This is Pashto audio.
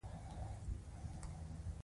• بادام د خوشحالۍ او سکون لپاره ګټور دي.